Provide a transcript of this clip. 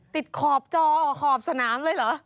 ขอบจอขอบสนามเลยเหรอ